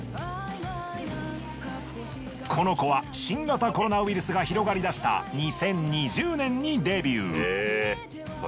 この子は新型コロナウイルスが広がりだした２０２０年にデビュー。